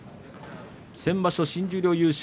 先場所新十両優勝